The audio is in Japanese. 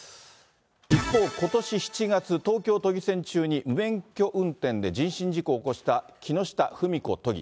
一方、ことし７月、東京都議選中に無免許運転で人身事故を起こした木下富美子都議。